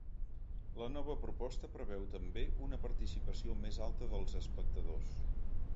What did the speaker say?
La nova proposta preveu també una participació més alta dels espectadors.